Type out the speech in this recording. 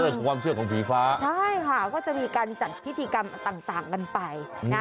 ความเชื่อของผีฟ้าใช่ค่ะก็จะมีการจัดพิธีกรรมต่างกันไปนะ